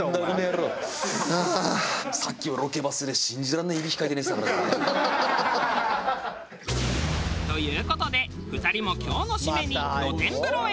さっきはロケバスで信じらんねえいびきかいて寝てたからな。という事で２人も今日の締めに露天風呂へ！